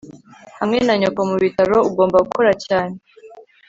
hamwe na nyoko mubitaro, ugomba gukora cyane